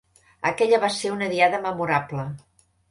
Aquella va ser una diada memorable.